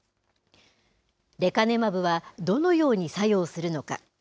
レカネマブはどのように作用するのか。